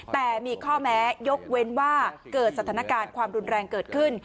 แต่มีข้อแม้ยกเว้นว่าเกิดสถานการณ์ความรุนแรงเกิดขึ้น